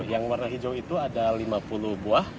yang warna hijau itu ada lima puluh buah